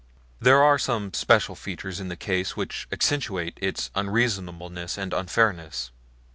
There are some special features in the case which accentuate its unreasonableness and unfairness.